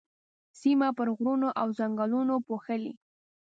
سيمه پر غرونو او ځنګلونو پوښلې.